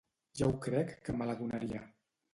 Ja ho crec que me la donaria!